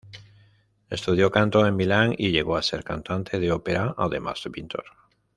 Estudió canto en Milán y llegó a ser cantante de ópera además de pintor.